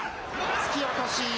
突き落とし。